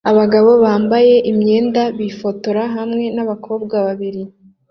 Abagabo bambaye imyenda bifotora hamwe nabakobwa babiri